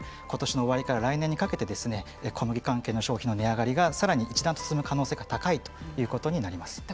ことしの終わりから来年にかけて小麦関係の商品の値上がりがさらに一段と進む可能性が高いということになります。